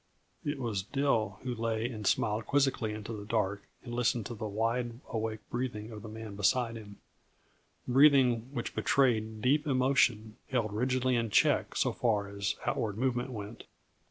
It was Dill who lay and smiled quizzically into the dark and listened to the wide awake breathing of the man beside him breathing which betrayed deep emotion held rigidly in check so far as outward movement went.